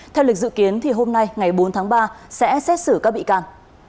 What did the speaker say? theo lịch dự kiến hôm nay ngày bốn tháng ba sẽ xét xử các bị can